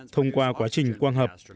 thông qua quá trình quang hợp